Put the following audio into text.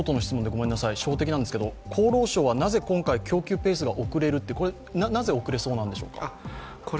厚労省はなぜ今回、供給ペースが遅れるってなぜ遅れそうなんでしょうか？